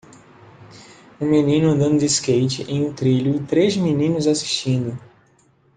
Um menino andando de skate em um trilho e três meninos assistindo.